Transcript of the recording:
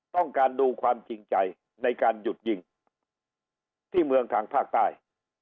ต้องการดูความจริงใจในการหยุดยิงที่เมืองทางภาคใต้